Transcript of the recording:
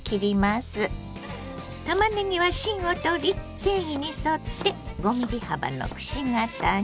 たまねぎは芯を取り繊維に沿って５ｍｍ幅のくし形に。